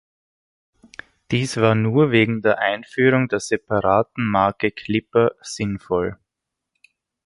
Dies war nur wegen der Einführung der separaten Marke Clipper sinnvoll.